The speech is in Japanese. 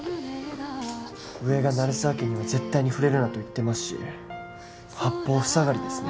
上が鳴沢家には絶対に触れるなと言ってますし八方塞がりですね